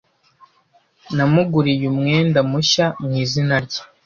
Namuguriye umwenda mushya mu izina rye.